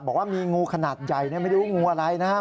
บอกว่ามีงูขนาดใหญ่ไม่รู้งูอะไรนะครับ